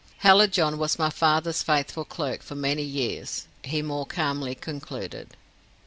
"Hallijohn was my father's faithful clerk for many years," he more calmly concluded.